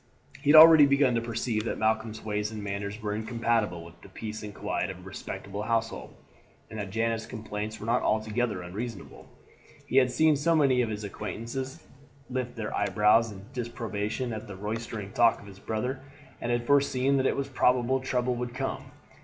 He had already begun to perceive that Malcolm's ways and manners were incompatible with the peace and quiet of a respectable household, and that Janet's complaints were not altogether unreasonable. He had seen many of his acquaintances lift their eyebrows in disapprobation at the roystering talk of his brother, and had foreseen that it was probable trouble would come.